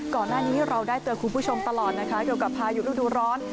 ก่อนหน้านี้เราได้เตือนคุณผู้ชมตลอดนะคะเกี่ยวกับพายุฤดูร้อน